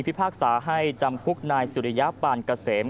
พิพากษาให้จำคุกนายสิริยะปานกะเสม